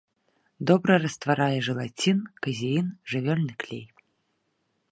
Добра растварае жэлацін, казеін, жывёльны клей.